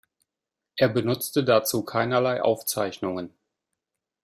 Er benutzte dazu keinerlei Aufzeichnungen.